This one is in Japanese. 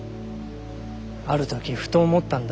ある時ふと思ったんだ。